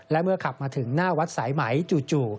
และเมื่อขับมาถึงหน้าวัดสายไหมจู่